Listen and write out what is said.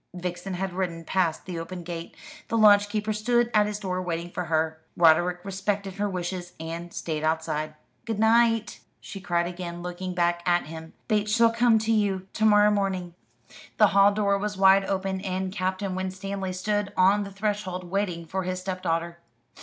Vixen had ridden past the open gate. The lodge keeper stood at his door waiting for her. Roderick respected her wishes and stayed outside. "Good night," she cried again, looking back at him; "Bates shall come to you to morrow morning." The hall door was wide open, and Captain Winstanley stood on the threshold, waiting for his stepdaughter.